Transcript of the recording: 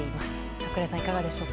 櫻井さん、いかがでしょうか？